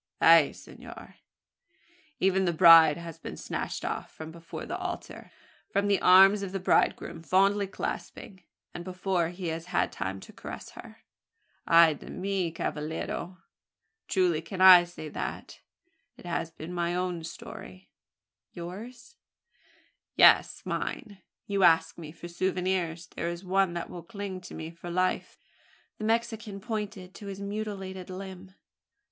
"Ay senor! Even the bride has been snatched off, from before the altar from the arms of the bridegroom fondly clasping, and before he has had time to caress her! Ay de mi, cavallero! Truly can I say that: it has been my own story." "Yours?" "Yes mine. You ask me for souvenirs. There is one that will cling to me for life!" The Mexican pointed to his mutilated limb.